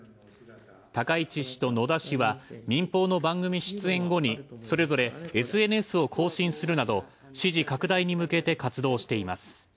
高市氏と野田氏は、民放の番組出演後にそれぞれＳＮＳを更新するなど支持拡大に向けて活動しています。